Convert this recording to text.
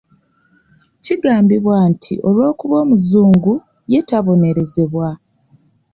Kigambibwa nti olw’okuba omuzungu, ye tabonerezebwa.